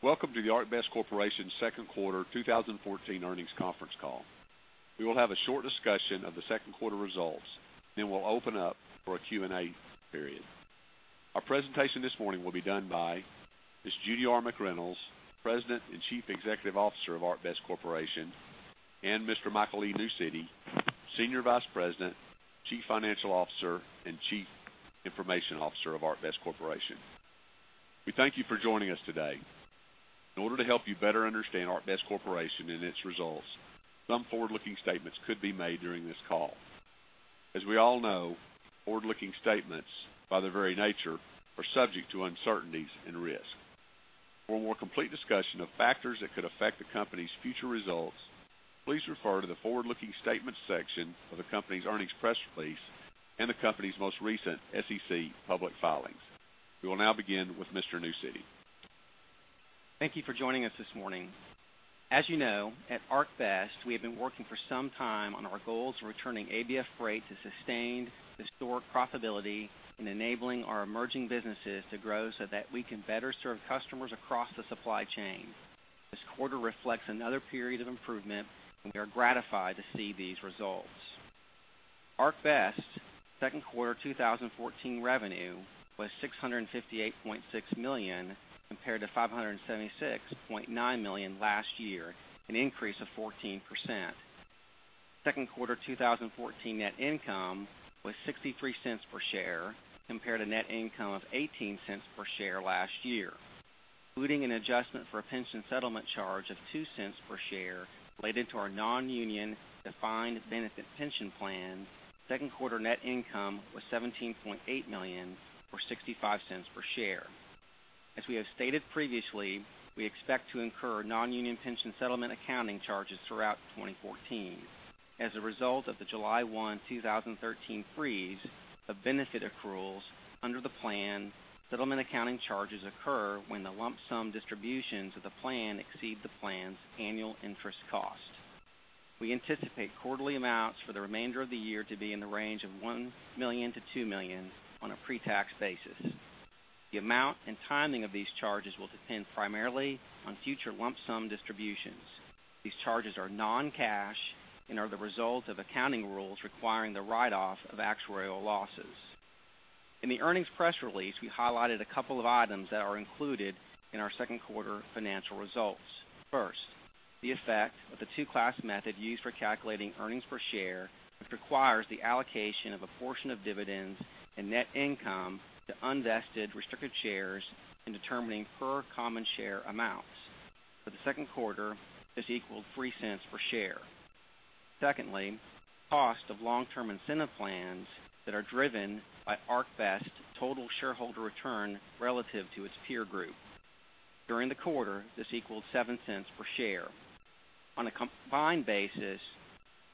Welcome to the ArcBest Corporation second quarter 2014 earnings conference call. We will have a short discussion of the second quarter results, then we'll open up for a Q&A period. Our presentation this morning will be done by Ms. Judy R. McReynolds, President and Chief Executive Officer of ArcBest Corporation, and Mr.. We thank you for joining us today. In order to help you better understand ArcBest Corporation and its results, some forward-looking statements could be made during this call. As we all know, forward-looking statements, by their very nature, are subject to uncertainties and risk. For a more complete discussion of factors that could affect the company's future results, please refer to the Forward-Looking Statements section of the company's earnings press release and the company's most recent SEC public filings. We will now begin with Mr. Newcity. Thank you for joining us this morning. As you know, at ArcBest, we have been working for some time on our goals of returning ABF Freight to sustained historic profitability and enabling our emerging businesses to grow so that we can better serve customers across the supply chain. This quarter reflects another period of improvement, and we are gratified to see these results. ArcBest's second quarter 2014 revenue was $658.6 million, compared to $576.9 million last year, an increase of 14%. Second quarter 2014 net income was $0.63 per share, compared to net income of $0.18 per share last year. Including an adjustment for a pension settlement charge of $0.02 per share related to our non-union defined benefit pension plan, second quarter net income was $17.8 million, or $0.65 per share. As we have stated previously, we expect to incur non-union pension settlement accounting charges throughout 2014. As a result of the July 1, 2013 freeze of benefit accruals under the plan, settlement accounting charges occur when the lump sum distributions of the plan exceed the plan's annual interest cost. We anticipate quarterly amounts for the remainder of the year to be in the range of $1 million-$2 million on a pre-tax basis. The amount and timing of these charges will depend primarily on future lump sum distributions. These charges are non-cash and are the result of accounting rules requiring the write-off of actuarial losses. In the earnings press release, we highlighted a couple of items that are included in our second quarter financial results. First, the effect of the Two-Class Method used for calculating earnings per share, which requires the allocation of a portion of dividends and net income to unvested restricted shares in determining per common share amounts. For the second quarter, this equaled $0.03 per share. Secondly, cost of long-term incentive plans that are driven by ArcBest Total Shareholder Return relative to its peer group. During the quarter, this equaled $0.07 per share. On a combined basis,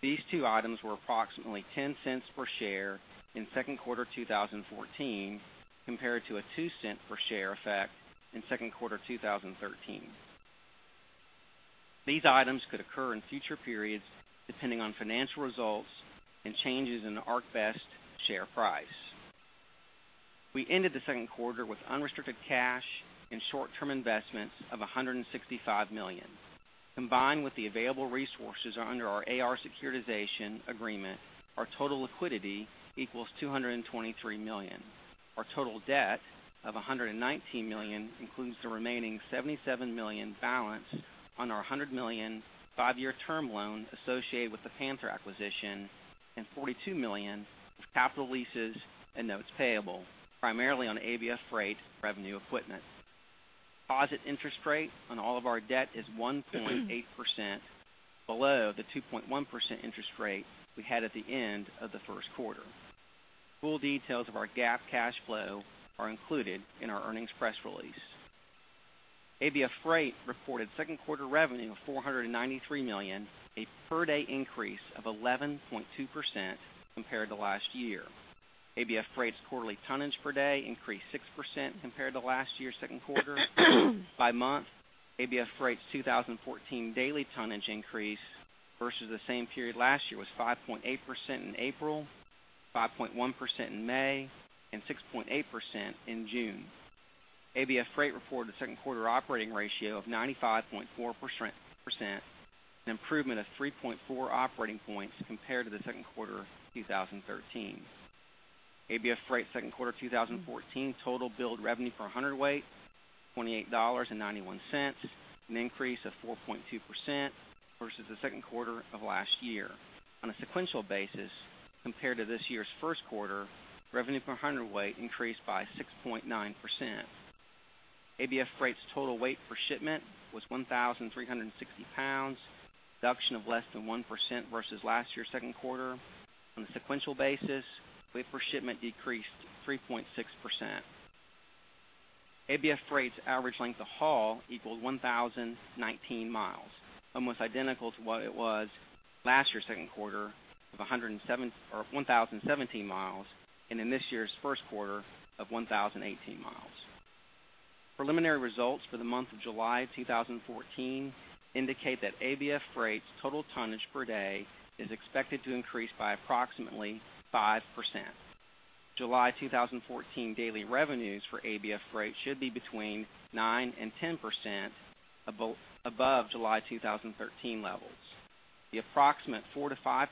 these two items were approximately $0.10 per share in second quarter 2014, compared to a two cent per share effect in second quarter 2013. These items could occur in future periods, depending on financial results and changes in the ArcBest share price. We ended the second quarter with unrestricted cash and short-term investments of $165 million. Combined with the available resources under our AR securitization agreement, our total liquidity equals $223 million. Our total debt of $119 million includes the remaining $77 million balance on our $100 million five-year term loan associated with the Panther acquisition, and $42 million of capital leases and notes payable, primarily on ABF Freight revenue equipment. Deposit interest rate on all of our debt is 1.8%, below the 2.1% interest rate we had at the end of the first quarter. Full details of our GAAP cash flow are included in our earnings press release. ABF Freight reported second quarter revenue of $493 million, a per-day increase of 11.2% compared to last year. ABF Freight's quarterly tonnage per day increased 6% compared to last year's second quarter. By month, ABF Freight's 2014 daily tonnage increase versus the same period last year was 5.8% in April, 5.1% in May, and 6.8% in June. ABF Freight reported a second quarter operating ratio of 95.4%, an improvement of 3.4 operating points compared to the second quarter of 2013. ABF Freight's second quarter 2014 total billed revenue per hundredweight $28.91, an increase of 4.2% versus the second quarter of last year. On a sequential basis, compared to this year's first quarter, revenue per hundredweight increased by 6.9%. ABF Freight's total weight per shipment was 1,360 pounds, reduction of less than 1% versus last year's second quarter. On a sequential basis, weight per shipment decreased 3.6%. ABF Freight's average length of haul equaled 1,019 miles, almost identical to what it was last year's second quarter of 107-- or 1,017 miles, and in this year's first quarter of 1,018 miles. Preliminary results for the month of July 2014 indicate that ABF Freight's total tonnage per day is expected to increase by approximately 5%.... July 2014 daily revenues for ABF Freight should be between 9%-10% above, above July 2013 levels. The approximate 4%-5%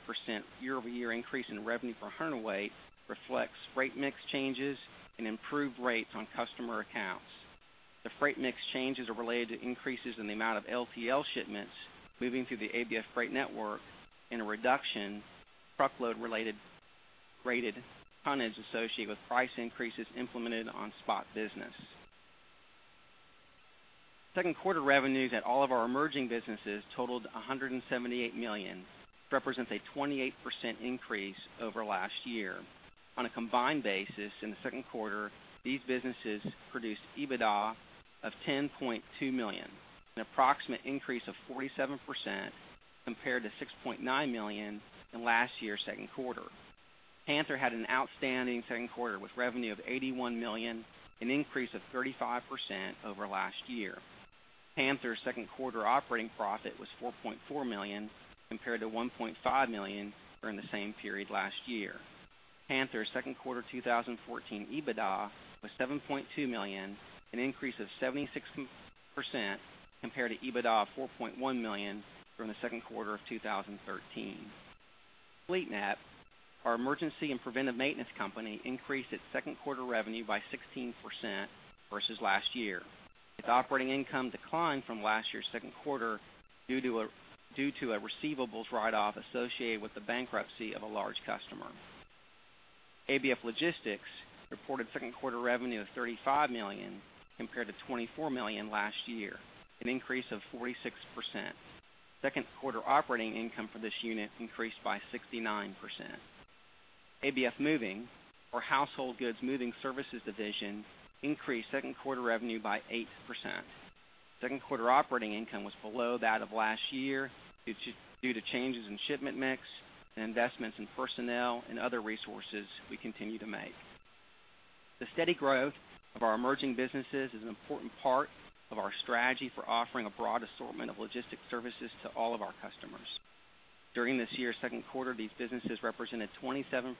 year-over-year increase in revenue per hundredweight reflects freight mix changes and improved rates on customer accounts. The freight mix changes are related to increases in the amount of LTL shipments moving through the ABF Freight network, and a reduction truckload related rated tonnage associated with price increases implemented on spot business. Second quarter revenues at all of our emerging businesses totaled $178 million, represents a 28% increase over last year. On a combined basis, in the second quarter, these businesses produced EBITDA of $10.2 million, an approximate increase of 47% compared to $6.9 million in last year's second quarter. Panther had an outstanding second quarter, with revenue of $81 million, an increase of 35% over last year. Panther's second quarter operating profit was $4.4 million, compared to $1.5 million during the same period last year. Panther's second quarter 2014 EBITDA was $7.2 million, an increase of 76% compared to EBITDA of $4.1 million during the second quarter of 2013. FleetNet, our emergency and preventive maintenance company, increased its second quarter revenue by 16% versus last year. Its operating income declined from last year's second quarter due to a receivables write-off associated with the bankruptcy of a large customer. ABF Logistics reported second quarter revenue of $35 million, compared to $24 million last year, an increase of 46%. Second quarter operating income for this unit increased by 69%. ABF Moving, our household goods moving services division, increased second quarter revenue by 8%. Second quarter operating income was below that of last year, due to changes in shipment mix and investments in personnel and other resources we continue to make. The steady growth of our emerging businesses is an important part of our strategy for offering a broad assortment of logistics services to all of our customers. During this year's second quarter, these businesses represented 27%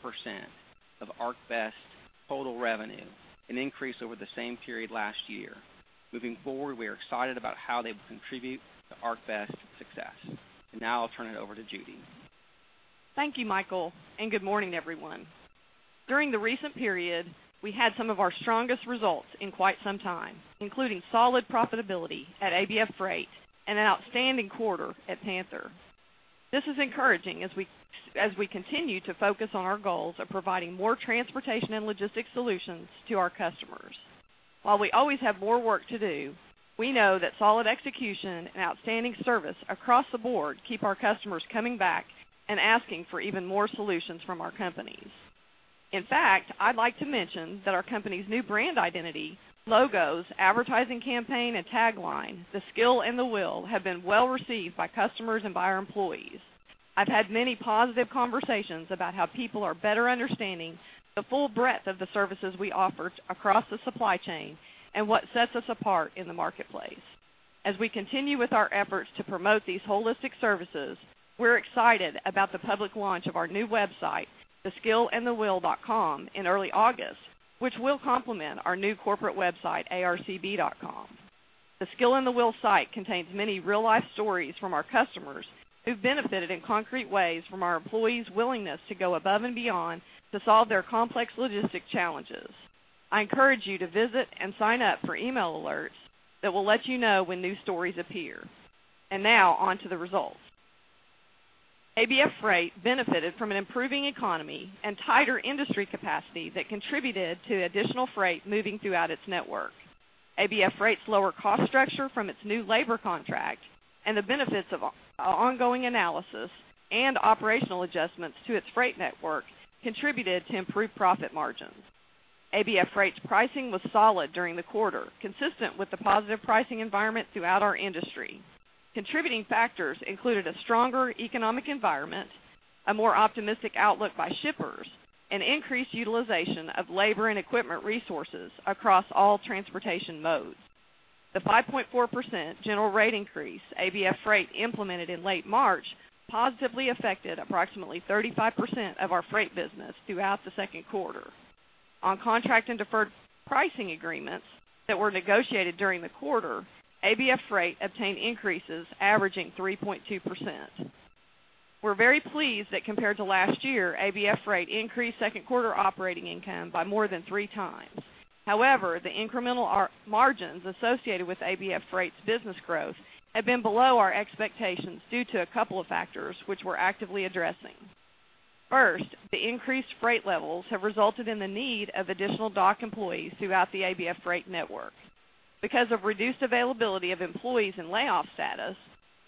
of ArcBest's total revenue, an increase over the same period last year. Moving forward, we are excited about how they will contribute to ArcBest's success. Now I'll turn it over to Judy. Thank you, Michael, and good morning, everyone. During the recent period, we had some of our strongest results in quite some time, including solid profitability at ABF Freight and an outstanding quarter at Panther. This is encouraging as we continue to focus on our goals of providing more transportation and logistics solutions to our customers. While we always have more work to do, we know that solid execution and outstanding service across the board keep our customers coming back and asking for even more solutions from our companies. In fact, I'd like to mention that our company's new brand identity, logos, advertising campaign, and tagline, "The Skill and the Will," have been well received by customers and by our employees. I've had many positive conversations about how people are better understanding the full breadth of the services we offer across the supply chain and what sets us apart in the marketplace. As we continue with our efforts to promote these holistic services, we're excited about the public launch of our new website, theskillandthewill.com, in early August, which will complement our new corporate website, arcb.com. The Skill and the Will site contains many real-life stories from our customers who've benefited in concrete ways from our employees' willingness to go above and beyond to solve their complex logistics challenges. I encourage you to visit and sign up for email alerts that will let you know when new stories appear. Now, on to the results. ABF Freight benefited from an improving economy and tighter industry capacity that contributed to additional freight moving throughout its network. ABF Freight's lower cost structure from its new labor contract and the benefits of ongoing analysis and operational adjustments to its freight network contributed to improved profit margins. ABF Freight's pricing was solid during the quarter, consistent with the positive pricing environment throughout our industry. Contributing factors included a stronger economic environment, a more optimistic outlook by shippers, and increased utilization of labor and equipment resources across all transportation modes. The 5.4% general rate increase ABF Freight implemented in late March positively affected approximately 35% of our freight business throughout the second quarter. On contract and deferred pricing agreements that were negotiated during the quarter, ABF Freight obtained increases averaging 3.2%. We're very pleased that, compared to last year, ABF Freight increased second quarter operating income by more than three times. However, our incremental margins associated with ABF Freight's business growth have been below our expectations due to a couple of factors, which we're actively addressing. First, the increased freight levels have resulted in the need of additional dock employees throughout the ABF Freight network. Because of reduced availability of employees in layoff status,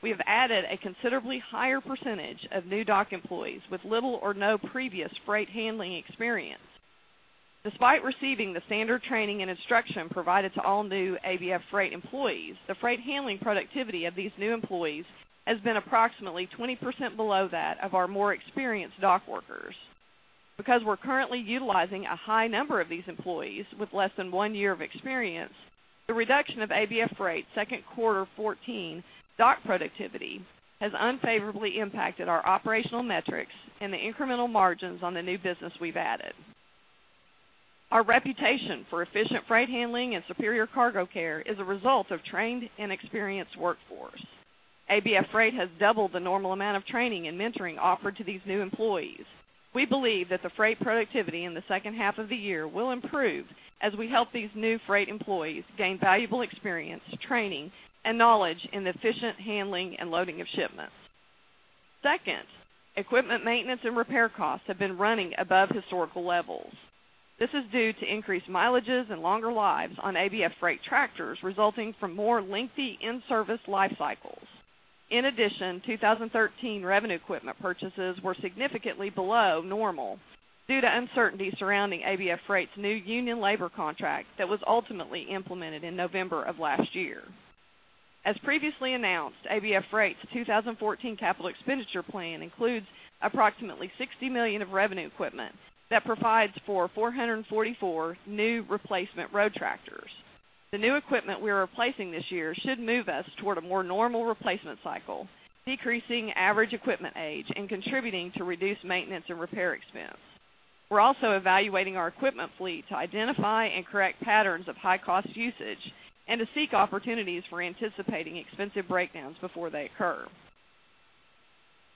we have added a considerably higher percentage of new dock employees with little or no previous freight handling experience. Despite receiving the standard training and instruction provided to all new ABF Freight employees, the freight handling productivity of these new employees has been approximately 20% below that of our more experienced dock workers. Because we're currently utilizing a high number of these employees with less than one year of experience, the reduction of ABF Freight's second quarter 2014 dock productivity has unfavorably impacted our operational metrics and the incremental margins on the new business we've added. Our reputation for efficient freight handling and superior cargo care is a result of trained and experienced workforce. ABF Freight has doubled the normal amount of training and mentoring offered to these new employees. We believe that the freight productivity in the second half of the year will improve as we help these new freight employees gain valuable experience, training, and knowledge in the efficient handling and loading of shipments. Second, equipment maintenance and repair costs have been running above historical levels. This is due to increased mileages and longer lives on ABF Freight tractors, resulting from more lengthy in-service life cycles. In addition, 2013 revenue equipment purchases were significantly below normal due to uncertainty surrounding ABF Freight's new union labor contract that was ultimately implemented in November of last year. As previously announced, ABF Freight's 2014 capital expenditure plan includes approximately $60 million of revenue equipment that provides for 444 new replacement road tractors. The new equipment we are replacing this year should move us toward a more normal replacement cycle, decreasing average equipment age and contributing to reduced maintenance and repair expense. We're also evaluating our equipment fleet to identify and correct patterns of high cost usage and to seek opportunities for anticipating expensive breakdowns before they occur.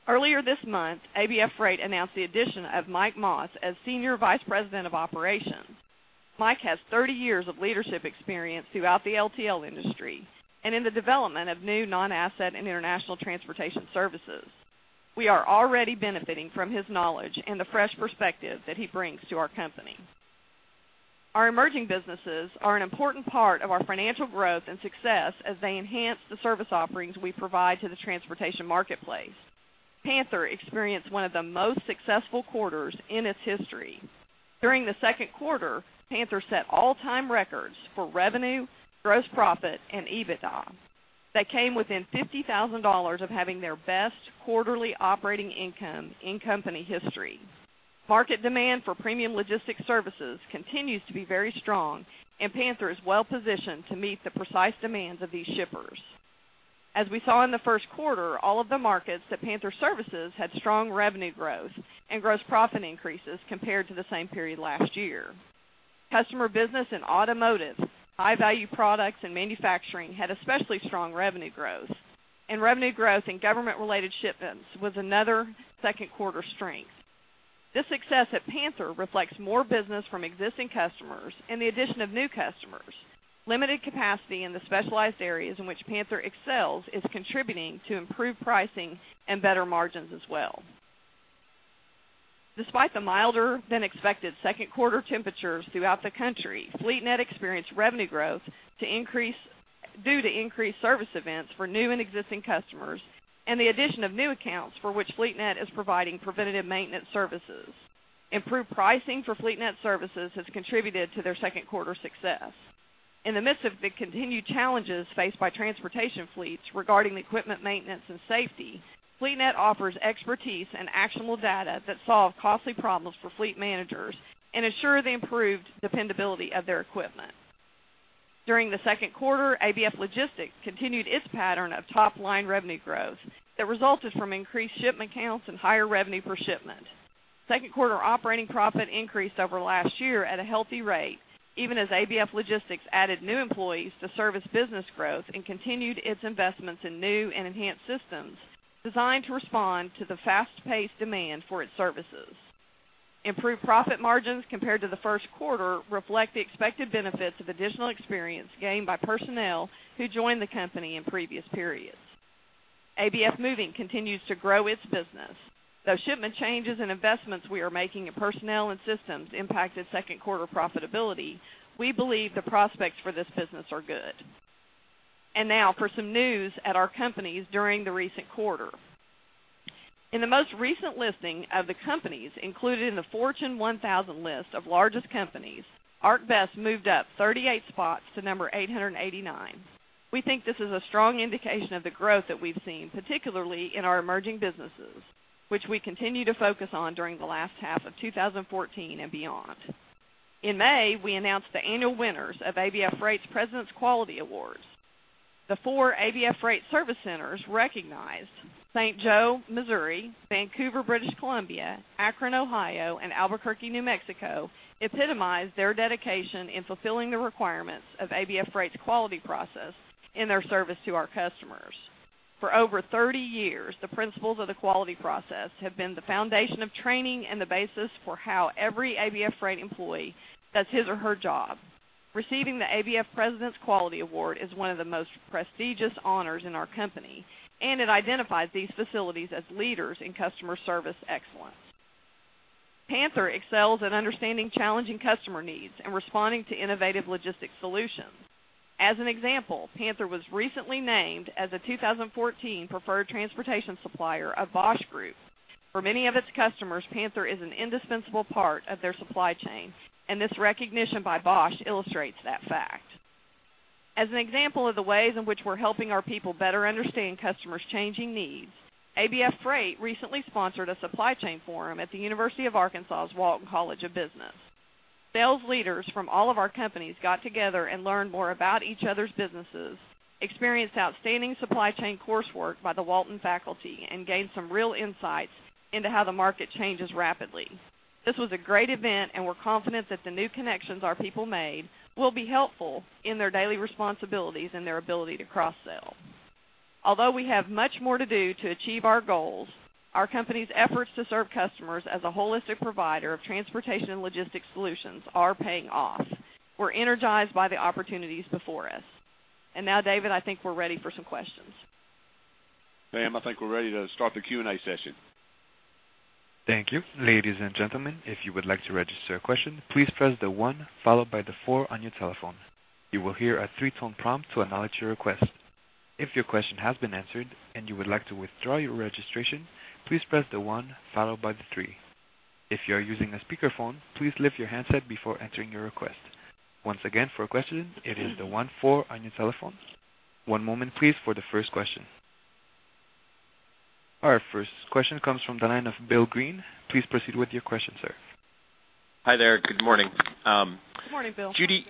Earlier this month, ABF Freight announced the addition of Mike Moss as Senior Vice President of Operations. Mike has 30 years of leadership experience throughout the LTL industry and in the development of new non-asset and international transportation services. We are already benefiting from his knowledge and the fresh perspective that he brings to our company. Our emerging businesses are an important part of our financial growth and success as they enhance the service offerings we provide to the transportation marketplace. Panther experienced one of the most successful quarters in its history. During the second quarter, Panther set all-time records for revenue, gross profit, and EBITDA. They came within $50,000 of having their best quarterly operating income in company history. Market demand for premium logistics services continues to be very strong, and Panther is well positioned to meet the precise demands of these shippers. As we saw in the first quarter, all of the markets that Panther services had strong revenue growth and gross profit increases compared to the same period last year. Customer business in automotive, high-value products, and manufacturing had especially strong revenue growth, and revenue growth in government-related shipments was another second quarter strength. This success at Panther reflects more business from existing customers and the addition of new customers. Limited capacity in the specialized areas in which Panther excels is contributing to improved pricing and better margins as well. Despite the milder than expected second quarter temperatures throughout the country, FleetNet experienced revenue growth to increase due to increased service events for new and existing customers and the addition of new accounts for which FleetNet is providing preventive maintenance services. Improved pricing for FleetNet services has contributed to their second quarter success. In the midst of the continued challenges faced by transportation fleets regarding equipment maintenance and safety, FleetNet offers expertise and actionable data that solve costly problems for fleet managers and ensure the improved dependability of their equipment. During the second quarter, ABF Logistics continued its pattern of top-line revenue growth that resulted from increased shipment counts and higher revenue per shipment. Second quarter operating profit increased over last year at a healthy rate, even as ABF Logistics added new employees to service business growth and continued its investments in new and enhanced systems designed to respond to the fast-paced demand for its services. Improved profit margins compared to the first quarter reflect the expected benefits of additional experience gained by personnel who joined the company in previous periods. ABF Moving continues to grow its business. Though shipment changes and investments we are making in personnel and systems impacted second quarter profitability, we believe the prospects for this business are good. And now for some news at our companies during the recent quarter. In the most recent listing of the companies included in the Fortune 1000 list of largest companies, ArcBest moved up 38 spots to number 889. We think this is a strong indication of the growth that we've seen, particularly in our emerging businesses, which we continue to focus on during the last half of 2014 and beyond. In May, we announced the annual winners of ABF Freight's President's Quality Awards. The four ABF Freight service centers recognized: St. Joseph, Missouri, Vancouver, British Columbia, Akron, Ohio, and Albuquerque, New Mexico, epitomized their dedication in fulfilling the requirements of ABF Freight's quality process in their service to our customers. For over 30 years, the principles of the quality process have been the foundation of training and the basis for how every ABF Freight employee does his or her job. Receiving the ABF President's Quality Award is one of the most prestigious honors in our company, and it identifies these facilities as leaders in customer service excellence. Panther excels in understanding challenging customer needs and responding to innovative logistics solutions. As an example, Panther was recently named as a 2014 preferred transportation supplier of Bosch Group. For many of its customers, Panther is an indispensable part of their supply chain, and this recognition by Bosch illustrates that fact. As an example of the ways in which we're helping our people better understand customers' changing needs, ABF Freight recently sponsored a supply chain forum at the University of Arkansas's Walton College of Business.... Sales leaders from all of our companies got together and learned more about each other's businesses, experienced outstanding supply chain coursework by the Walton faculty, and gained some real insights into how the market changes rapidly. This was a great event, and we're confident that the new connections our people made will be helpful in their daily responsibilities and their ability to cross-sell. Although we have much more to do to achieve our goals, our company's efforts to serve customers as a holistic provider of transportation and logistics solutions are paying off. We're energized by the opportunities before us. Now, David, I think we're ready for some questions. Pam, I think we're ready to start the Q&A session. Thank you. Ladies and gentlemen, if you would like to register a question, please press the one followed by the four on your telephone. You will hear a three-tone prompt to acknowledge your request. If your question has been answered and you would like to withdraw your registration, please press the one followed by the three. If you are using a speakerphone, please lift your handset before entering your request. Once again, for a question, it is the one, four on your telephone. One moment, please, for the first question. Our first question comes from the line of Bill Greene. Please proceed with your question, sir. Hi there. Good morning. Good morning, Bill. Judy,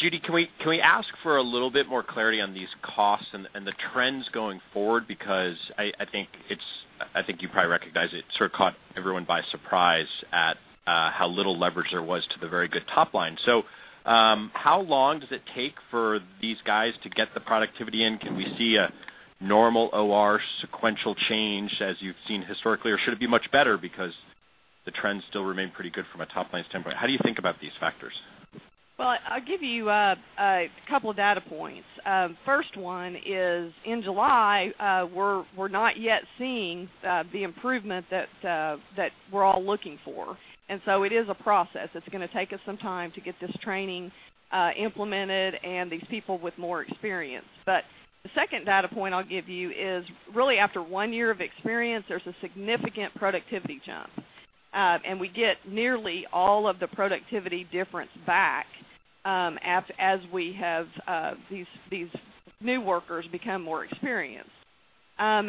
Judy, can we, can we ask for a little bit more clarity on these costs and, and the trends going forward? Because I, I think it's, I, I think you probably recognize it sort of caught everyone by surprise at how little leverage there was to the very good top line. So, how long does it take for these guys to get the productivity in? Can we see a normal OR sequential change as you've seen historically, or should it be much better because the trends still remain pretty good from a top-line standpoint? How do you think about these factors? Well, I'll give you a couple of data points. First one is, in July, we're, we're not yet seeing the improvement that that we're all looking for, and so it is a process. It's gonna take us some time to get this training implemented and these people with more experience. But the second data point I'll give you is, really, after one year of experience, there's a significant productivity jump. And we get nearly all of the productivity difference back, as we have these new workers become more experienced. And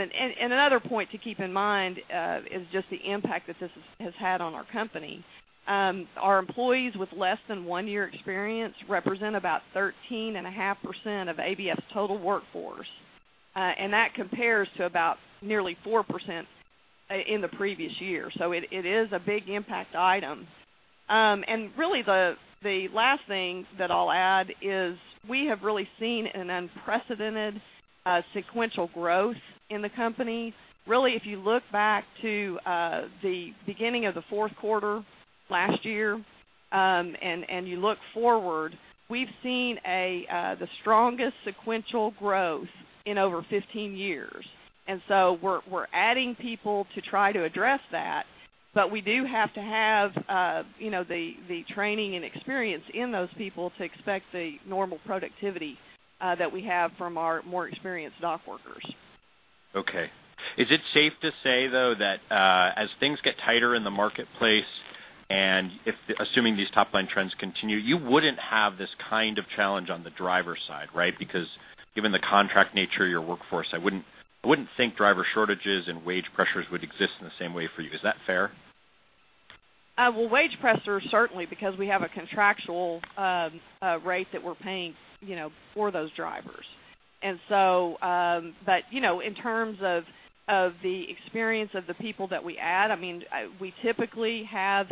another point to keep in mind is just the impact that this has had on our company. Our employees with less than one year experience represent about 13.5% of ABF's total workforce, and that compares to about nearly 4% in the previous year. So it is a big impact item. Really, the last thing that I'll add is we have really seen an unprecedented sequential growth in the company. Really, if you look back to the beginning of the fourth quarter last year, and you look forward, we've seen the strongest sequential growth in over 15 years. And so we're adding people to try to address that. But we do have to have you know the training and experience in those people to expect the normal productivity that we have from our more experienced dock workers. Okay. Is it safe to say, though, that as things get tighter in the marketplace, and if, assuming these top-line trends continue, you wouldn't have this kind of challenge on the driver side, right? Because given the contract nature of your workforce, I wouldn't think driver shortages and wage pressures would exist in the same way for you. Is that fair? Well, wage pressures, certainly, because we have a contractual rate that we're paying, you know, for those drivers. But, you know, in terms of the experience of the people that we add, I mean, we typically have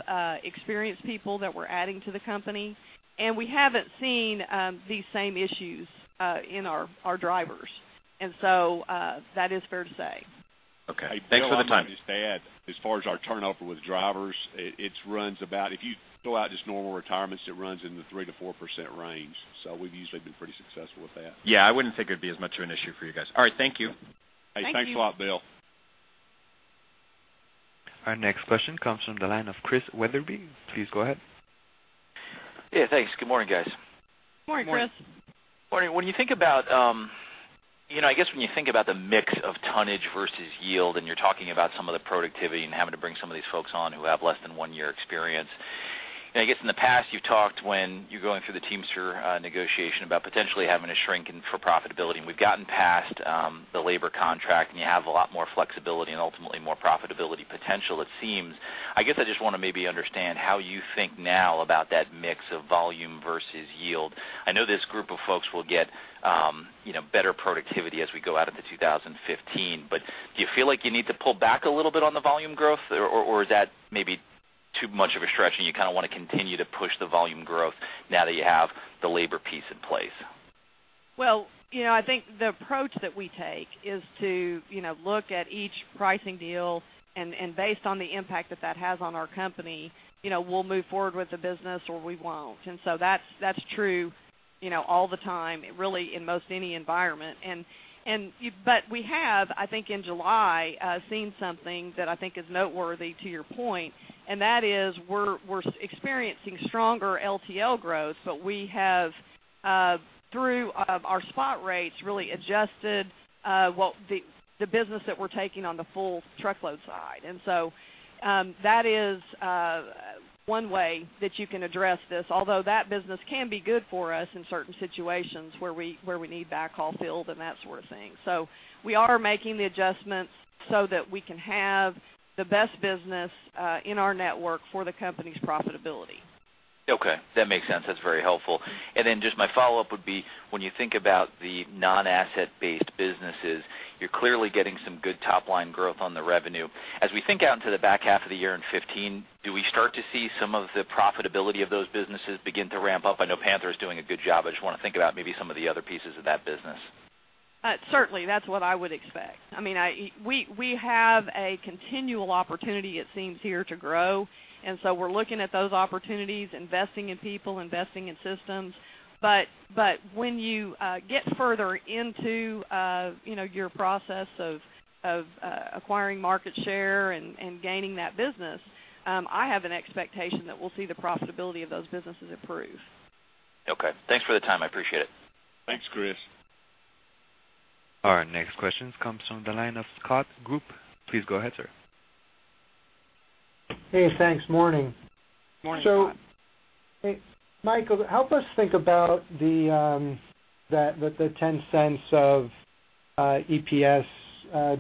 experienced people that we're adding to the company, and we haven't seen these same issues in our drivers. So, that is fair to say. Okay. Thanks for the time. Just to add, as far as our turnover with drivers, it runs about... If you throw out just normal retirements, it runs in the 3%-4% range, so we've usually been pretty successful with that. Yeah, I wouldn't think it'd be as much of an issue for you guys. All right. Thank you. Thank you. Hey, thanks a lot, Bill. Our next question comes from the line of Chris Wetherbee. Please go ahead. Yeah, thanks. Good morning, guys. Good morning, Chris. Morning. When you think about, you know, I guess when you think about the mix of tonnage versus yield, and you're talking about some of the productivity and having to bring some of these folks on who have less than one year experience, and I guess in the past, you've talked when you're going through the Teamster negotiation about potentially having to shrink in for profitability. We've gotten past the labor contract, and you have a lot more flexibility and ultimately more profitability potential, it seems. I guess I just want to maybe understand how you think now about that mix of volume versus yield. I know this group of folks will get, you know, better productivity as we go out into 2015, but do you feel like you need to pull back a little bit on the volume growth, or, or is that maybe too much of a stretch, and you kind of want to continue to push the volume growth now that you have the labor piece in place? Well, you know, I think the approach that we take is to, you know, look at each pricing deal, and based on the impact that that has on our company, you know, we'll move forward with the business or we won't. And so that's true, you know, all the time, really, in most any environment. But we have, I think, in July seen something that I think is noteworthy to your point, and that is we're experiencing stronger LTL growth, but we have through our spot rates, really adjusted well, the business that we're taking on the full truckload side. And so that is one way that you can address this, although that business can be good for us in certain situations where we need backhaul filled and that sort of thing. We are making the adjustments so that we can have the best business in our network for the company's profitability.... Okay, that makes sense. That's very helpful. And then just my follow-up would be, when you think about the non-asset-based businesses, you're clearly getting some good top line growth on the revenue. As we think out into the back half of the year in 2015, do we start to see some of the profitability of those businesses begin to ramp up? I know Panther is doing a good job. I just wanna think about maybe some of the other pieces of that business. Certainly, that's what I would expect. I mean, we have a continual opportunity, it seems here, to grow, and so we're looking at those opportunities, investing in people, investing in systems. But when you get further into, you know, your process of acquiring market share and gaining that business, I have an expectation that we'll see the profitability of those businesses improve. Okay. Thanks for the time. I appreciate it. Thanks, Chris. Our next question comes from the line of Scott Group. Please go ahead, sir. Hey, thanks. Morning. Morning, Scott. So, hey, Michael, help us think about the ten cents of EPS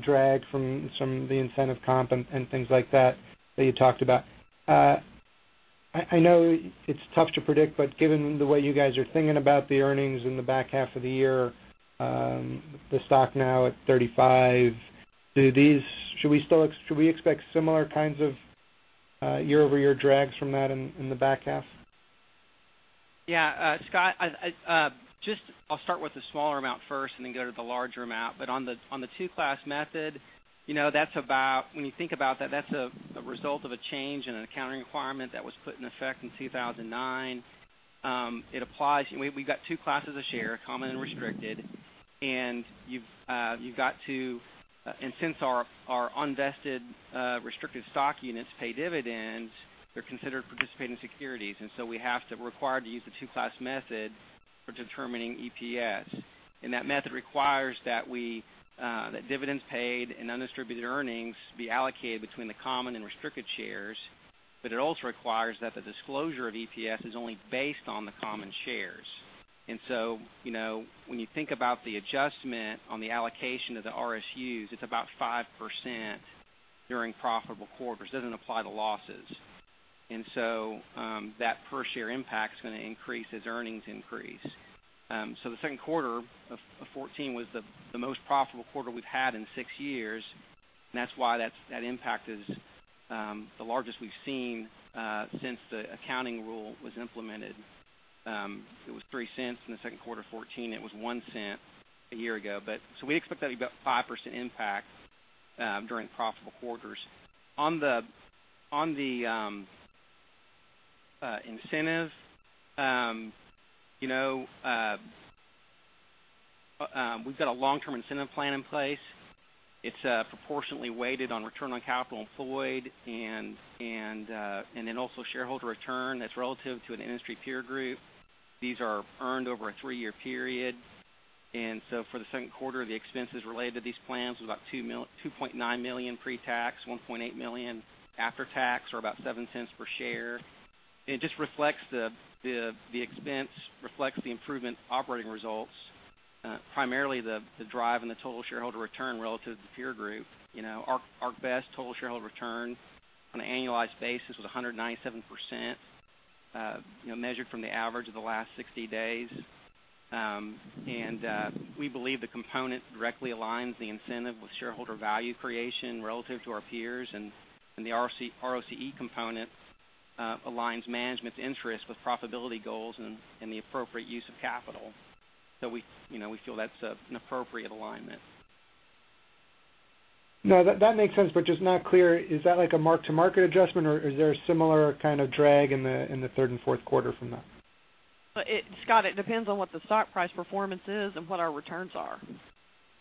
drag from some of the incentive comp and things like that, that you talked about. I know it's tough to predict, but given the way you guys are thinking about the earnings in the back half of the year, the stock now at $35, do these—should we expect similar kinds of year-over-year drags from that in the back half? Yeah, Scott, I just I'll start with the smaller amount first and then go to the larger amount. But on the two-class method, you know, that's about... When you think about that, that's a result of a change in an accounting requirement that was put in effect in 2009. It applies-- We've got two classes of share, common and restricted, and you've got to... And since our unvested restricted stock units pay dividends, they're considered participating securities, and so we have to-- we're required to use the two-class method for determining EPS. And that method requires that we that dividends paid and undistributed earnings be allocated between the common and restricted shares, but it also requires that the disclosure of EPS is only based on the common shares. You know, when you think about the adjustment on the allocation of the RSUs, it's about 5% during profitable quarters. It doesn't apply to losses. That per share impact is gonna increase as earnings increase. So the second quarter of 2014 was the most profitable quarter we've had in six years, and that's why that impact is the largest we've seen since the accounting rule was implemented. It was $0.03 in the second quarter of 2014. It was $0.01 a year ago. So we expect that about 5% impact during profitable quarters. On the incentive, you know, we've got a long-term incentive plan in place. It's proportionately weighted on return on capital employed and, and, and then also shareholder return that's relative to an industry peer group. These are earned over a three-year period. And so for the second quarter, the expenses related to these plans was about $2.9 million pre-tax, $1.8 million after-tax, or about $0.07 per share. It just reflects the expense, reflects the improvement operating results, primarily the drive and the total shareholder return relative to the peer group. You know, our best total shareholder return on an annualized basis was 197%, you know, measured from the average of the last 60 days. We believe the component directly aligns the incentive with shareholder value creation relative to our peers, and the ROCE component aligns management's interest with profitability goals and the appropriate use of capital. So we, you know, we feel that's an appropriate alignment. No, that, that makes sense, but just not clear. Is that like a mark-to-market adjustment, or is there a similar kind of drag in the, in the third and fourth quarter from that? But it, Scott, it depends on what the stock price performance is and what our returns are.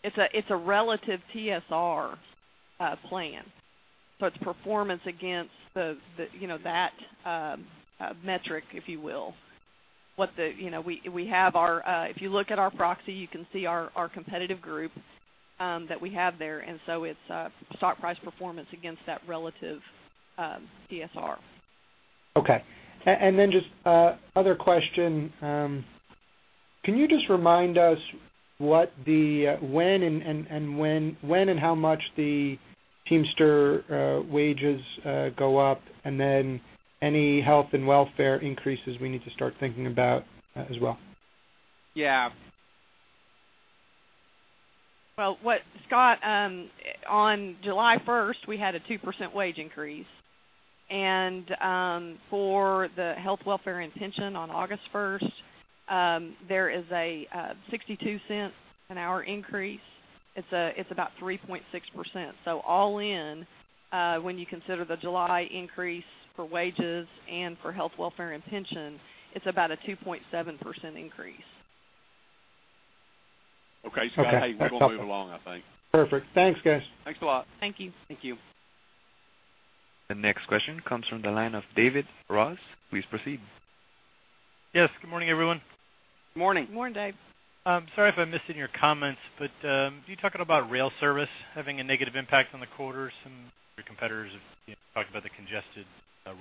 It's a, it's a relative TSR plan, so it's performance against the, the, you know, that metric, if you will. You know, we, we have our, if you look at our proxy, you can see our, our competitive group that we have there, and so it's stock price performance against that relative TSR. Okay. And then just other question, can you just remind us when and how much the Teamster wages go up, and then any health and welfare increases we need to start thinking about as well? Yeah. Well, what, Scott, on July first, we had a 2% wage increase. And, for the health, welfare, and pension on August first, there is a $0.62 an hour increase. It's, it's about 3.6%. So all in, when you consider the July increase for wages and for health, welfare, and pension, it's about a 2.7% increase. Okay. Okay. Hey, we're gonna move along, I think. Perfect. Thanks, guys. Thanks a lot. Thank you. Thank you. The next question comes from the line of David Ross. Please proceed. Yes, good morning, everyone. Morning. Morning, Dave. Sorry if I missed it in your comments, but, you talking about rail service having a negative impact on the quarter? Some of your competitors have, you know, talked about the congested,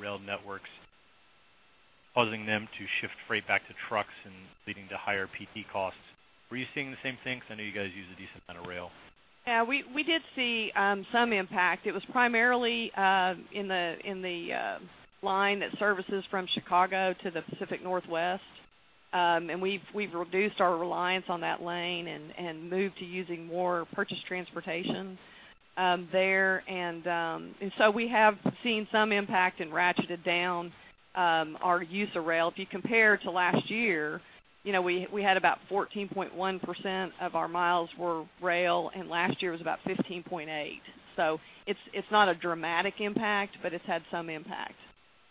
rail networks causing them to shift freight back to trucks and leading to higher PT costs.... Were you seeing the same thing? Because I know you guys use a decent amount of rail. Yeah, we did see some impact. It was primarily in the lane that services from Chicago to the Pacific Northwest. We've reduced our reliance on that lane and moved to using more purchased transportation there. So we have seen some impact and ratcheted down our use of rail. If you compare to last year, you know, we had about 14.1% of our miles were rail, and last year was about 15.8. So it's not a dramatic impact, but it's had some impact.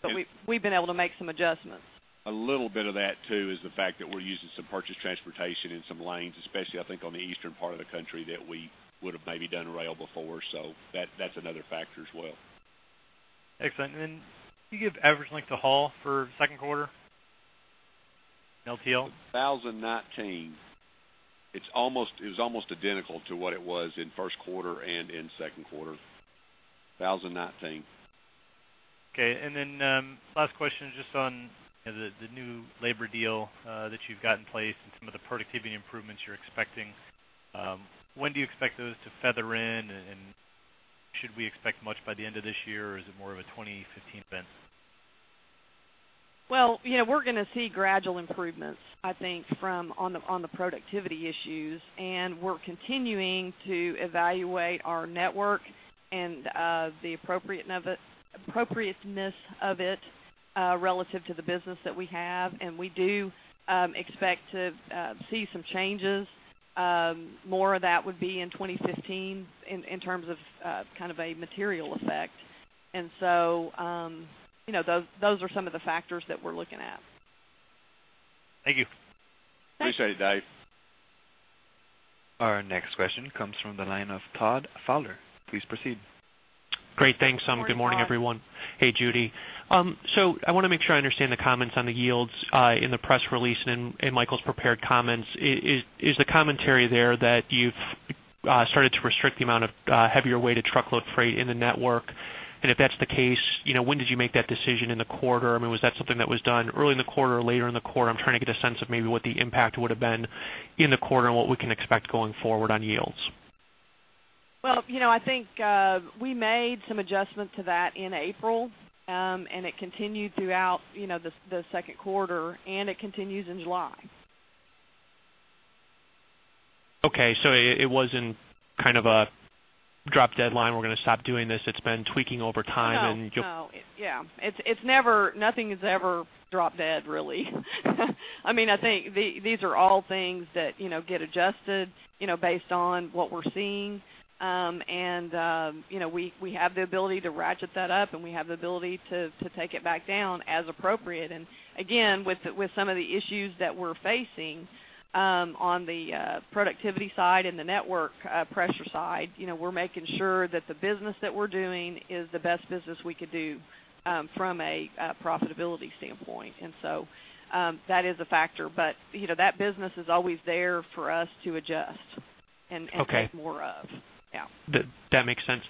But we've been able to make some adjustments. A little bit of that, too, is the fact that we're using some purchased transportation in some lanes, especially, I think, on the eastern part of the country, that we would have maybe done rail before. So that, that's another factor as well. Excellent. Can you give average length of haul for second quarter LTL? 2019. It's almost, it's almost identical to what it was in first quarter and in second quarter. 2019. Okay. And then, last question, just on the, the new labor deal, that you've got in place and some of the productivity improvements you're expecting. When do you expect those to feather in, and should we expect much by the end of this year, or is it more of a 2015 event? Well, you know, we're gonna see gradual improvements, I think, from on the, on the productivity issues, and we're continuing to evaluate our network and the appropriateness of it relative to the business that we have. And we do expect to see some changes. More of that would be in 2015 in terms of kind of a material effect. And so, you know, those, those are some of the factors that we're looking at. Thank you. Thanks. Appreciate it, Dave. Our next question comes from the line of Todd Fowler. Please proceed. Great. Thanks. Good morning, everyone. Good morning, Todd. Hey, Judy. So I wanna make sure I understand the comments on the yields in the press release and in Michael's prepared comments. Is the commentary there that you've started to restrict the amount of heavier weighted truckload freight in the network? And if that's the case, you know, when did you make that decision in the quarter? I mean, was that something that was done early in the quarter or later in the quarter? I'm trying to get a sense of maybe what the impact would have been in the quarter and what we can expect going forward on yields. Well, you know, I think we made some adjustments to that in April. It continued throughout, you know, the second quarter, and it continues in July. Okay, so it wasn't kind of a deadline, we're gonna stop doing this. It's been tweaking over time and- No, no. Yeah, it's never—nothing is ever drop dead, really. I mean, I think these are all things that, you know, get adjusted, you know, based on what we're seeing. And you know, we have the ability to ratchet that up, and we have the ability to take it back down as appropriate. And again, with some of the issues that we're facing on the productivity side and the network pressure side, you know, we're making sure that the business that we're doing is the best business we could do from a profitability standpoint. And so that is a factor. But you know, that business is always there for us to adjust and take more of. Okay. Yeah. That makes sense.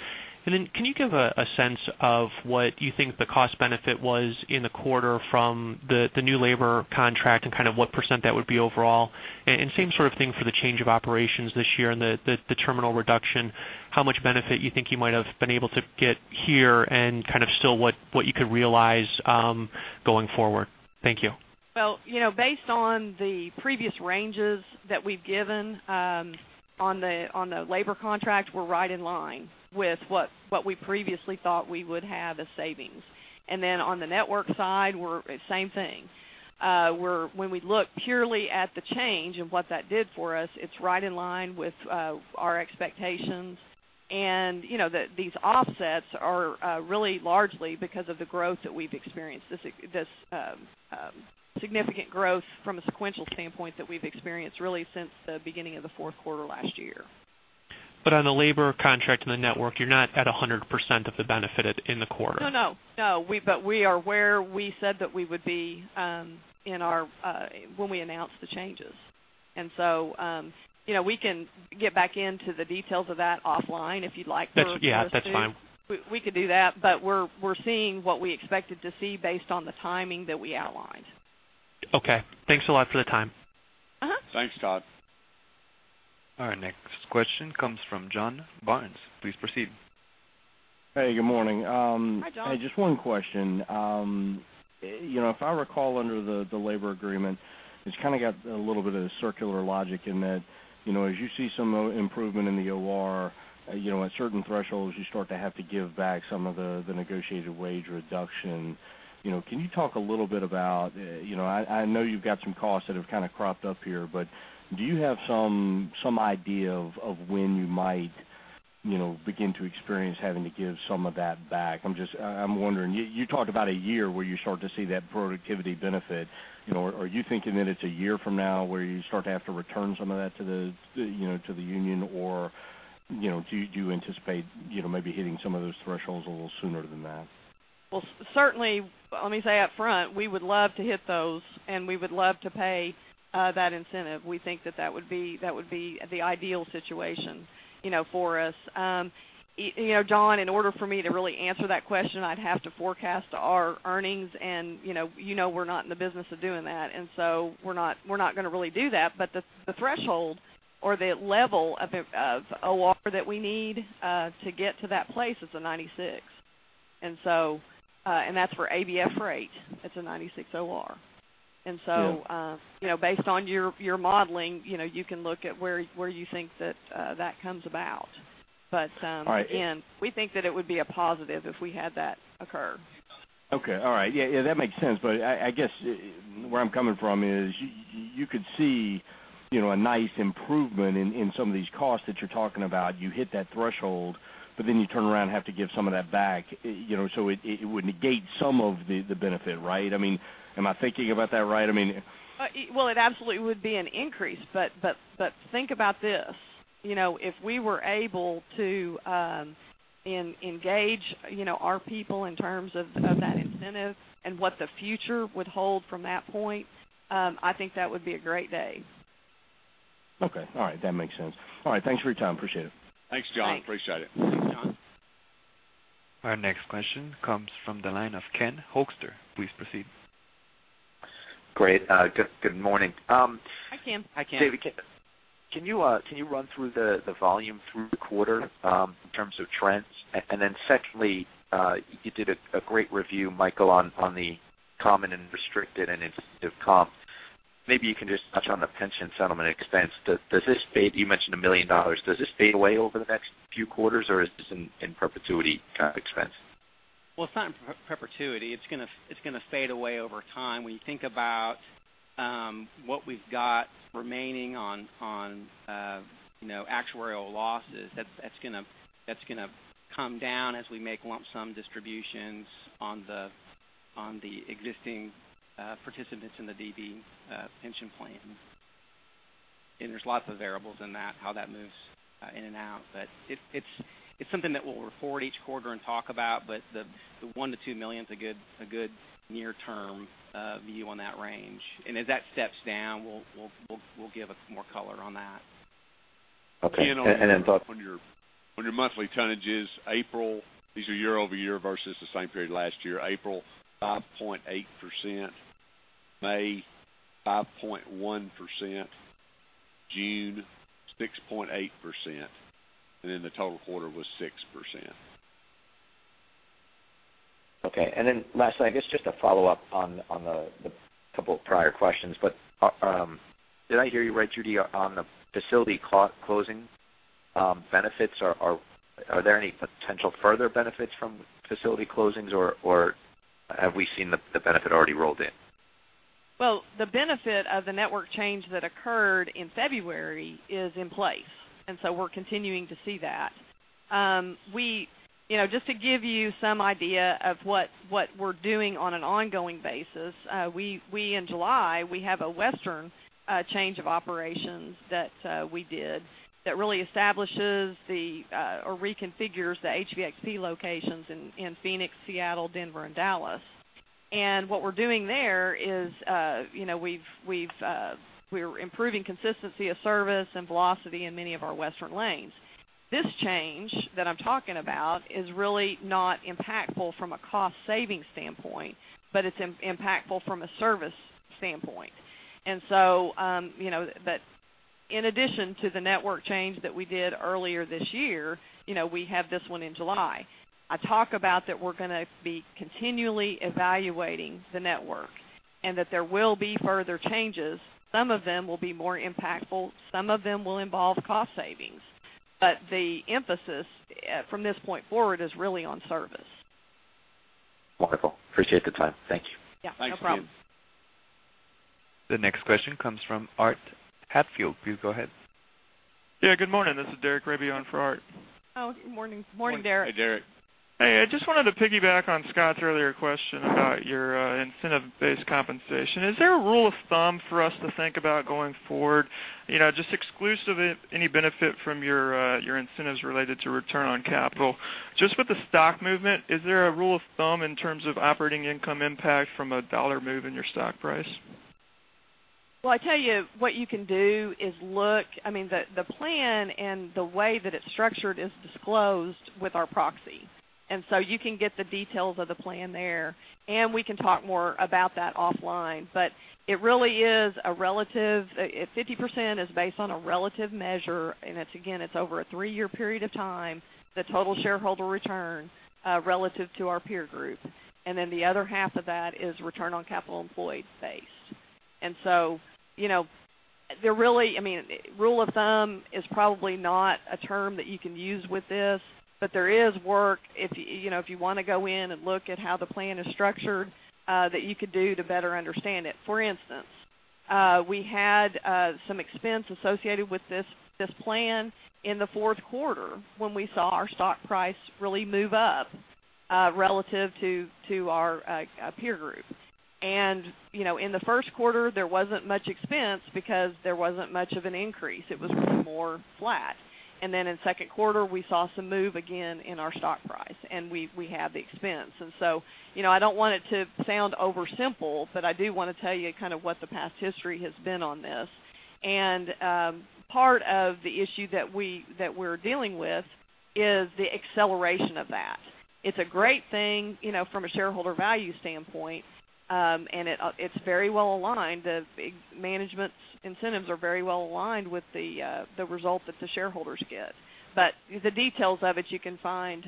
And then can you give a sense of what you think the cost benefit was in the quarter from the new labor contract and kind of what percent that would be overall? And same sort of thing for the change of operations this year and the terminal reduction, how much benefit you think you might have been able to get here, and kind of still what you could realize going forward? Thank you. Well, you know, based on the previous ranges that we've given, on the labor contract, we're right in line with what we previously thought we would have as savings. And then on the network side, we're same thing. We're, when we look purely at the change and what that did for us, it's right in line with our expectations. And, you know, these offsets are really largely because of the growth that we've experienced, this significant growth from a sequential standpoint that we've experienced really since the beginning of the fourth quarter last year. But on the labor contract and the network, you're not at 100% of the benefit in the quarter? No, no. But we are where we said that we would be in our when we announced the changes. So, you know, we can get back into the details of that offline if you'd like for us to. Yeah, that's fine. We could do that, but we're seeing what we expected to see based on the timing that we outlined. Okay, thanks a lot for the time. Uh-huh. Thanks, Todd. Our next question comes from John Barnes. Please proceed. Hey, good morning. Hi, John. Hey, just one question. You know, if I recall, under the labor agreement, it's kind of got a little bit of circular logic in that, you know, as you see some improvement in the OR, you know, at certain thresholds, you start to have to give back some of the negotiated wage reduction. You know, can you talk a little bit about, you know, I know you've got some costs that have kind of cropped up here, but do you have some idea of when you might, you know, begin to experience having to give some of that back? I'm just, I'm wondering, you talked about a year where you start to see that productivity benefit. You know, are you thinking that it's a year from now, where you start to have to return some of that to the, you know, to the union, or, you know, do you anticipate, you know, maybe hitting some of those thresholds a little sooner than that? ...Well, certainly, let me say up front, we would love to hit those, and we would love to pay that incentive. We think that that would be, that would be the ideal situation, you know, for us. You know, John, in order for me to really answer that question, I'd have to forecast our earnings and, you know, we're not in the business of doing that, and so we're not, we're not gonna really do that. But the threshold or the level of OR that we need to get to that place is a 96. And so, and that's for ABF rate, it's a 96 OR. Yeah. So, you know, based on your modeling, you know, you can look at where you think that comes about. But, Right. We think that it would be a positive if we had that occur. Okay. All right. Yeah, yeah, that makes sense. But I, I guess where I'm coming from is you, you could see, you know, a nice improvement in, in some of these costs that you're talking about. You hit that threshold, but then you turn around and have to give some of that back, you know, so it, it would negate some of the, the benefit, right? I mean, am I thinking about that right? I mean- Well, it absolutely would be an increase. But, think about this, you know, if we were able to engage, you know, our people in terms of that incentive and what the future would hold from that point, I think that would be a great day. Okay. All right. That makes sense. All right, thanks for your time. Appreciate it. Thanks, John. Appreciate it. Thanks. Our next question comes from the line of Ken Hoexter. Please proceed. Great. Good morning. Hi, Ken. Hi, Ken. David, can you run through the volume through the quarter in terms of trends? And then secondly, you did a great review, Michael, on the common and restricted and incentive comp. Maybe you can just touch on the pension settlement expense. Does this fade... You mentioned $1 million. Does this fade away over the next few quarters, or is this an in perpetuity kind of expense? Well, it's not in perpetuity. It's gonna fade away over time. When you think about what we've got remaining on, you know, actuarial losses, that's gonna come down as we make lump sum distributions on the existing participants in the DB pension plan. And there's lots of variables in that, how that moves in and out, but it's something that we'll report each quarter and talk about, but the one to two million is a good near-term view on that range. And as that steps down, we'll give more color on that. Okay, and then but- On your monthly tonnages: April, these are year-over-year versus the same period last year, April 5.8%, May 5.1%, June 6.8%, and then the total quarter was 6%. Okay. And then lastly, I guess just a follow-up on the couple of prior questions, but did I hear you right, Judy, on the facility closing benefits? Are there any potential further benefits from facility closings, or have we seen the benefit already rolled in? Well, the benefit of the network change that occurred in February is in place, and so we're continuing to see that. You know, just to give you some idea of what we're doing on an ongoing basis, in July, we have a Western change of operations that we did that really establishes or reconfigures the HBX locations in Phoenix, Seattle, Denver, and Dallas. And what we're doing there is, you know, we're improving consistency of service and velocity in many of our western lanes. This change that I'm talking about is really not impactful from a cost-saving standpoint, but it's impactful from a service standpoint. And so, you know, but in addition to the network change that we did earlier this year, you know, we have this one in July. I talk about that we're gonna be continually evaluating the network and that there will be further changes. Some of them will be more impactful, some of them will involve cost savings. But the emphasis, from this point forward is really on service. Wonderful. Appreciate the time. Thank you. Yeah, no problem. Thanks, Ken. The next question comes from Art Hatfield. Please go ahead. Yeah, good morning. This is Derek Raby on for Art. Oh, good morning. Morning, Derek. Hey, Derek. Hey, I just wanted to piggyback on Scott's earlier question about your incentive-based compensation. Is there a rule of thumb for us to think about going forward? You know, just exclusive of any benefit from your your incentives related to return on capital. Just with the stock movement, is there a rule of thumb in terms of operating income impact from a dollar move in your stock price? Well, I tell you, what you can do is look... I mean, the plan and the way that it's structured is disclosed with our proxy, and so you can get the details of the plan there, and we can talk more about that offline. But it really is a relative, 50% is based on a relative measure, and it's again, it's over a three-year period of time, the total shareholder return relative to our peer group. And then the other half of that is return on capital employed base. And so, you know, there really, I mean, rule of thumb is probably not a term that you can use with this, but there is work if, you know, if you wanna go in and look at how the plan is structured, that you could do to better understand it. For instance, we had some expense associated with this plan in the fourth quarter when we saw our stock price really move up relative to our peer group. And you know, in the first quarter, there wasn't much expense because there wasn't much of an increase. It was more flat. And then in second quarter, we saw some move again in our stock price, and we had the expense. And so, you know, I don't want it to sound oversimple, but I do wanna tell you kind of what the past history has been on this. And part of the issue that we're dealing with is the acceleration of that. It's a great thing, you know, from a shareholder value standpoint, and it's very well aligned. The management's incentives are very well aligned with the result that the shareholders get. But the details of it you can find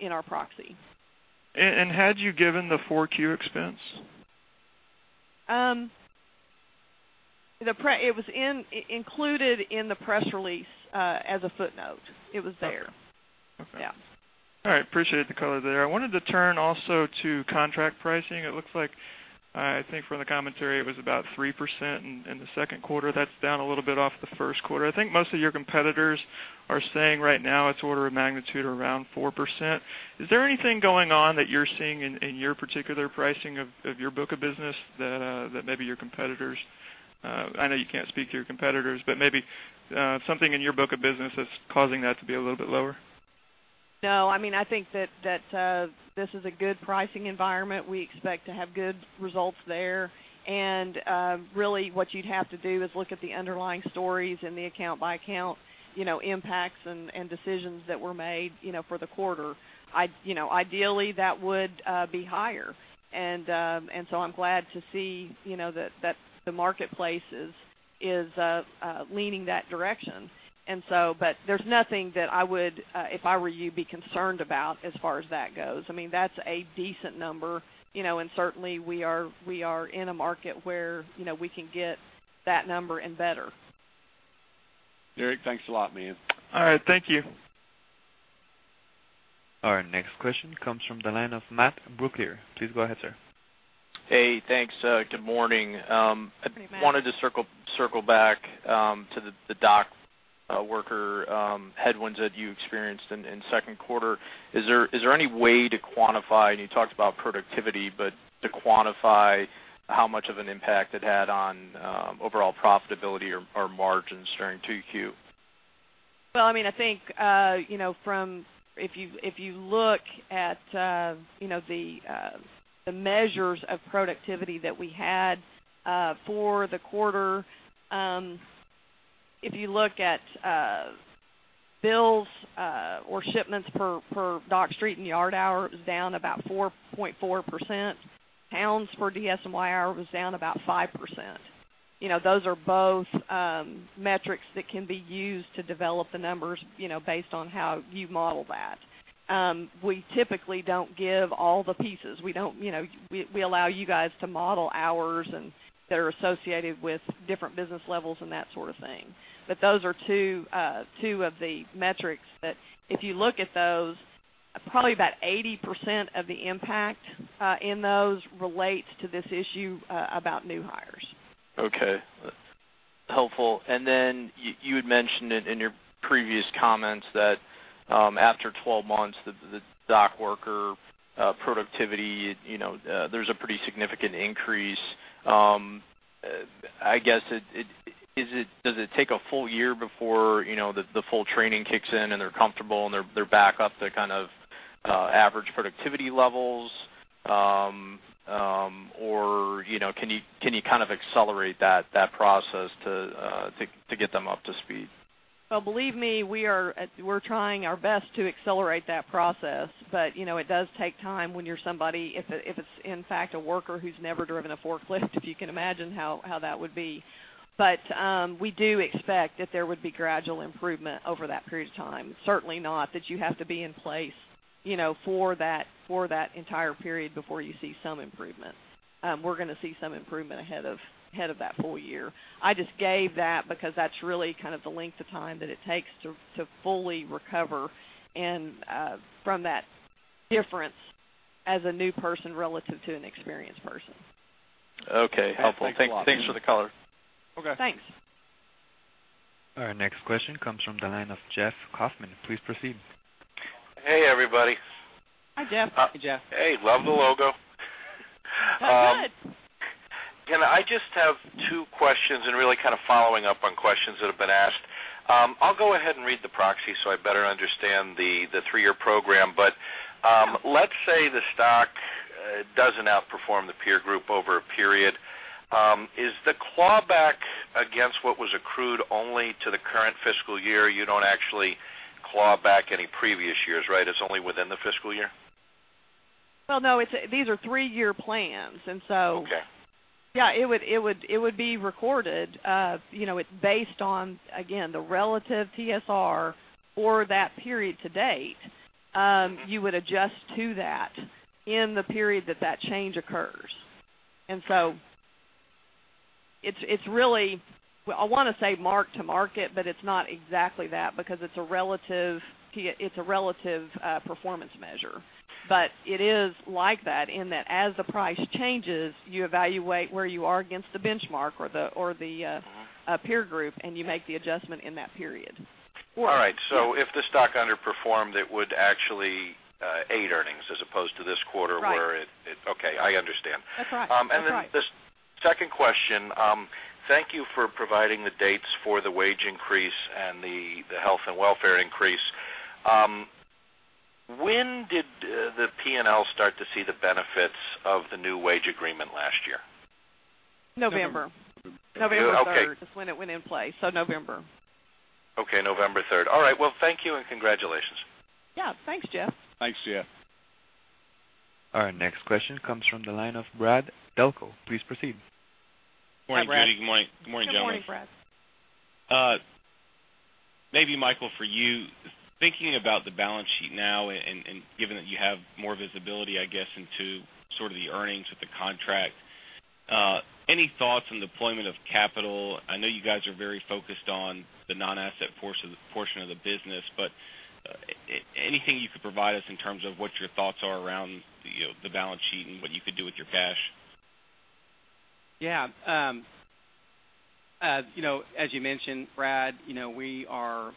in our proxy. Had you given the 4Q expense? It was included in the press release as a footnote. It was there. Okay. Yeah. All right. Appreciate the color there. I wanted to turn also to contract pricing. It looks like, I think from the commentary, it was about 3% in the second quarter. That's down a little bit off the first quarter. I think most of your competitors are saying right now it's order of magnitude around 4%. Is there anything going on that you're seeing in your particular pricing of your book of business that maybe your competitors, I know you can't speak to your competitors, but maybe something in your book of business that's causing that to be a little bit lower? No, I mean, I think that this is a good pricing environment. We expect to have good results there. And, really, what you'd have to do is look at the underlying stories and the account by account, you know, impacts and decisions that were made, you know, for the quarter. I'd, you know, ideally, that would be higher. And so I'm glad to see, you know, that the marketplace is leaning that direction. And so, but there's nothing that I would, if I were you, be concerned about as far as that goes. I mean, that's a decent number, you know, and certainly we are in a market where, you know, we can get that number and better. Derek, thanks a lot, ma'am. All right. Thank you. Our next question comes from the line of Matt Brooklier. Please go ahead, sir. Hey, thanks. Good morning. Hey, Matt. I wanted to circle back to the dock worker headwinds that you experienced in second quarter. Is there any way to quantify, and you talked about productivity, but to quantify how much of an impact it had on overall profitability or margins during 2Q? Well, I mean, I think, you know, from if you, if you look at, you know, the, the measures of productivity that we had, for the quarter, if you look at, bills, or shipments per dock street and yard hour, it was down about 4.4%. Pounds per DS&Y hour was down about 5%. You know, those are both, metrics that can be used to develop the numbers, you know, based on how you model that. We typically don't give all the pieces. We don't, you know, we, we allow you guys to model hours and that are associated with different business levels and that sort of thing. Those are two of the metrics that if you look at those, probably about 80% of the impact in those relates to this issue about new hires. Okay. Helpful. And then you had mentioned it in your previous comments that, after 12 months, the dock worker productivity, you know, there's a pretty significant increase. I guess it -- is it, does it take a full year before, you know, the full training kicks in, and they're comfortable, and they're back up to kind of average productivity levels? Or, you know, can you kind of accelerate that process to get them up to speed? Well, believe me, we are-- we're trying our best to accelerate that process, but, you know, it does take time when you're somebody, if it's, in fact, a worker who's never driven a forklift, if you can imagine how that would be. But, we do expect that there would be gradual improvement over that period of time. Certainly not that you have to be in place, you know, for that, for that entire period before you see some improvement. We're gonna see some improvement ahead of that full year. I just gave that because that's really kind of the length of time that it takes to fully recover and from that difference as a new person relative to an experienced person. Okay. Helpful. Thanks a lot. Thanks for the color. Okay. Thanks. Our next question comes from the line of Jeff Kauffman. Please proceed. Hey, everybody. Hi, Jeff. Hey, Jeff. Hey, love the logo. Well, good. I just have two questions and really kind of following up on questions that have been asked. I'll go ahead and read the proxy, so I better understand the three-year program. Let's say the stock doesn't outperform the peer group over a period. Is the clawback against what was accrued only to the current fiscal year? You don't actually claw back any previous years, right? It's only within the fiscal year. Well, no, it's these are three-year plans, and so- Okay. Yeah, it would, it would, it would be recorded. You know, it's based on, again, the relative TSR for that period to date. You would adjust to that in the period that that change occurs. And so it's, it's really, I wanna say mark to market, but it's not exactly that because it's a relative, it's a relative performance measure. But it is like that, in that as the price changes, you evaluate where you are against the benchmark or the peer group, and you make the adjustment in that period.... All right, so if the stock underperformed, it would actually aid earnings as opposed to this quarter- Right. Okay, I understand. That's right. That's right. And then the second question, thank you for providing the dates for the wage increase and the health and welfare increase. When did the P&L start to see the benefits of the new wage agreement last year? November. November. November third. Okay. That's when it went in place, so November. Okay, November third. All right, well, thank you and congratulations. Yeah, thanks, Jeff. Thanks, Jeff. Our next question comes from the line of Brad Delco. Please proceed. Hi, Brad. Good morning. Good morning, gentlemen. Good morning, Brad. Maybe, Michael, for you, thinking about the balance sheet now and, given that you have more visibility, I guess, into sort of the earnings with the contract, any thoughts on deployment of capital? I know you guys are very focused on the non-asset portion of the business, but anything you could provide us in terms of what your thoughts are around, you know, the balance sheet and what you could do with your cash? Yeah. You know, as you mentioned, Brad, you know, we are,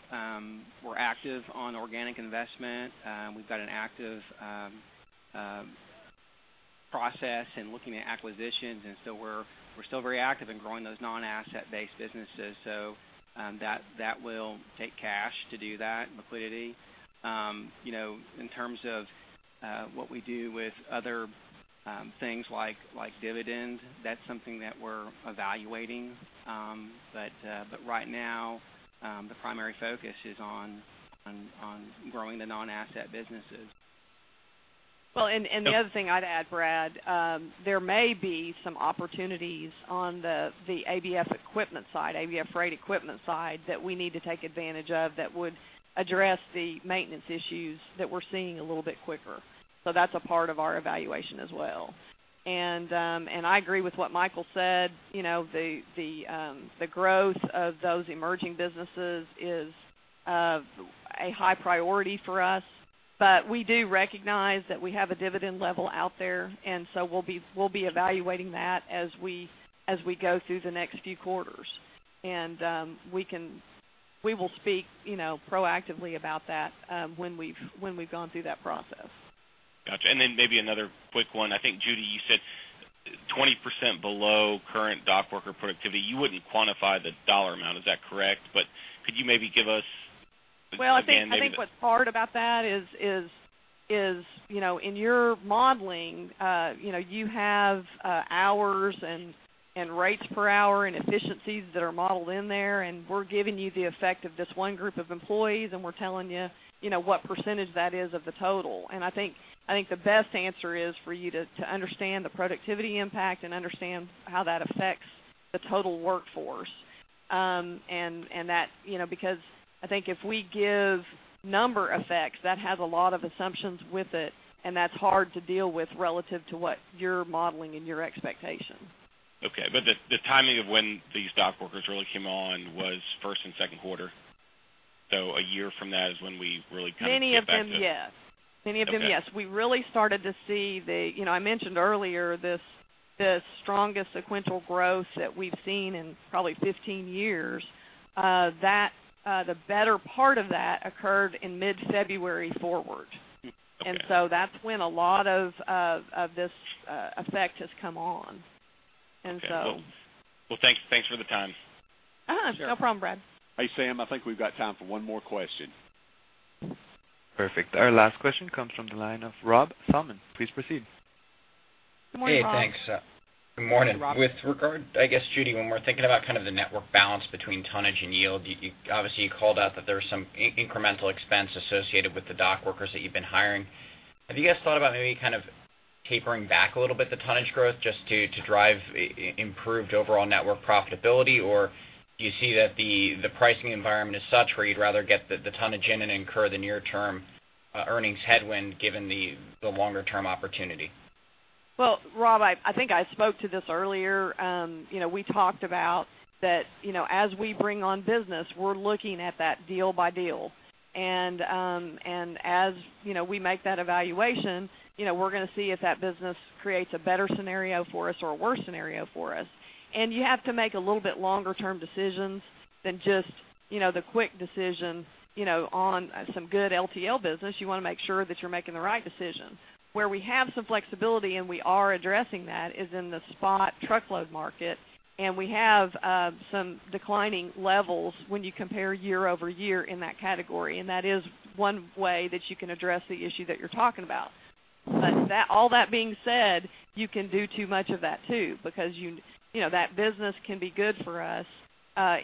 we're active on organic investment. We've got an active, process in looking at acquisitions, and so we're, we're still very active in growing those non-asset-based businesses, so, that, that will take cash to do that, liquidity. You know, in terms of, what we do with other, things like, like dividends, that's something that we're evaluating. But, but right now, the primary focus is on, on, on growing the non-asset businesses. Well, and the other thing I'd add, Brad, there may be some opportunities on the ABF equipment side, ABF Freight equipment side, that we need to take advantage of that would address the maintenance issues that we're seeing a little bit quicker. So that's a part of our evaluation as well. And I agree with what Michael said, you know, the growth of those emerging businesses is a high priority for us. But we do recognize that we have a dividend level out there, and so we'll be, we'll be evaluating that as we, as we go through the next few quarters. And we can—we will speak, you know, proactively about that, when we've, when we've gone through that process. Gotcha. And then maybe another quick one. I think, Judy, you said 20% below current dock worker productivity. You wouldn't quantify the dollar amount; is that correct? But could you maybe give us again, maybe- Well, I think what's hard about that is, you know, in your modeling, you know, you have hours and rates per hour and efficiencies that are modeled in there, and we're giving you the effect of this one group of employees, and we're telling you, you know, what percentage that is of the total. And I think the best answer is for you to understand the productivity impact and understand how that affects the total workforce. And that, you know, because I think if we give number effects, that has a lot of assumptions with it, and that's hard to deal with relative to what you're modeling and your expectations. Okay, but the timing of when these dock workers really came on was first and second quarter. So a year from that is when we really kind of get back to- Many of them, yes. Okay. Many of them, yes. We really started to see the... You know, I mentioned earlier this, the strongest sequential growth that we've seen in probably 15 years, that, the better part of that occurred in mid-February forward. Okay. And so that's when a lot of this effect has come on. And so- Okay. Well, thanks for the time. Uh-huh, no problem, Brad. Hey, Sam, I think we've got time for one more question. Perfect. Our last question comes from the line of Rob Salmon. Please proceed. Good morning, Rob. Hey, thanks. Good morning. Good morning, Rob. With regard, I guess, Judy, when we're thinking about kind of the network balance between tonnage and yield, you, you obviously, you called out that there's some incremental expense associated with the dock workers that you've been hiring. Have you guys thought about maybe kind of tapering back a little bit, the tonnage growth, just to, to drive improved overall network profitability? Or do you see that the, the pricing environment is such where you'd rather get the, the tonnage in and incur the near-term earnings headwind, given the, the longer-term opportunity? Well, Rob, I think I spoke to this earlier. You know, we talked about that, you know, as we bring on business, we're looking at that deal by deal. And as you know, we make that evaluation, you know, we're going to see if that business creates a better scenario for us or a worse scenario for us. And you have to make a little bit longer-term decisions than just, you know, the quick decision, you know, on some good LTL business. You want to make sure that you're making the right decision. Where we have some flexibility, and we are addressing that, is in the spot truckload market, and we have some declining levels when you compare year-over-year in that category, and that is one way that you can address the issue that you're talking about. But that, all that being said, you can do too much of that, too, because you know, that business can be good for us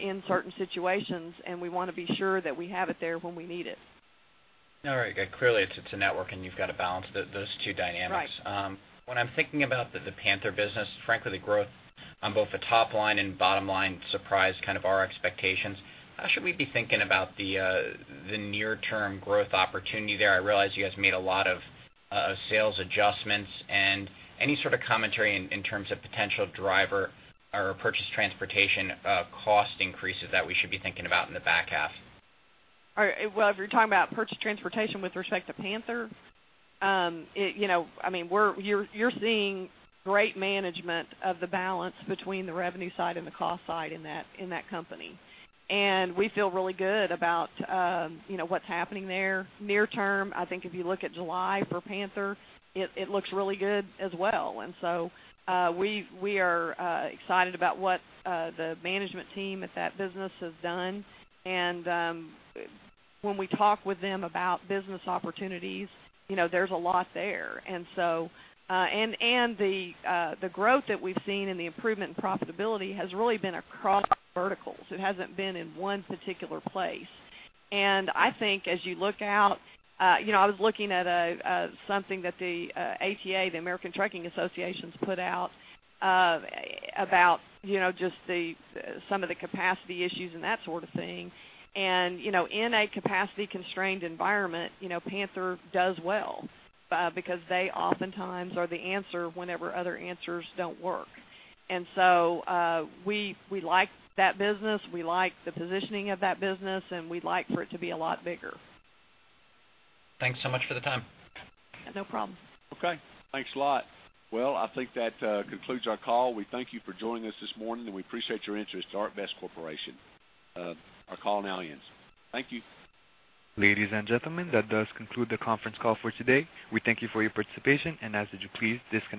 in certain situations, and we want to be sure that we have it there when we need it. All right. Clearly, it's a network, and you've got to balance those two dynamics. Right. When I'm thinking about the Panther business, frankly, the growth on both the top line and bottom line surprised kind of our expectations. How should we be thinking about the near-term growth opportunity there? I realize you guys made a lot of sales adjustments. And any sort of commentary in terms of potential driver or purchase transportation cost increases that we should be thinking about in the back half? All right. Well, if you're talking about purchase transportation with respect to Panther, you know, I mean, we're seeing great management of the balance between the revenue side and the cost side in that company. And we feel really good about, you know, what's happening there. Near term, I think if you look at July for Panther, it looks really good as well. And so, we are excited about what the management team at that business has done. And, when we talk with them about business opportunities, you know, there's a lot there. And so, and the growth that we've seen and the improvement in profitability has really been across verticals. It hasn't been in one particular place. I think as you look out, you know, I was looking at something that the ATA, the American Trucking Association, put out about, you know, just some of the capacity issues and that sort of thing. You know, in a capacity-constrained environment, you know, Panther does well because they oftentimes are the answer whenever other answers don't work. We like that business, we like the positioning of that business, and we'd like for it to be a lot bigger. Thanks so much for the time. No problem. Okay. Thanks a lot. Well, I think that concludes our call. We thank you for joining us this morning, and we appreciate your interest in ArcBest Corporation. Our call now ends. Thank you. Ladies and gentlemen, that does conclude the conference call for today. We thank you for your participation, and we would ask you please disconnect.